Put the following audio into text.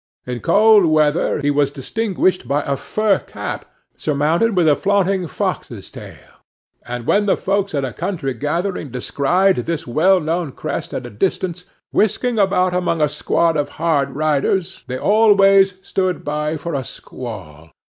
In cold weather he was distinguished by a fur cap, surmounted with a flaunting fox's tail; and when the folks at a country gathering descried this well known crest at a distance, whisking about among a squad of hard riders, they always stood by for a squall.